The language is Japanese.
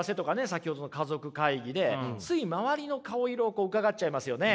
先ほどの家族会議でつい周りの顔色をうかがっちゃいますよね。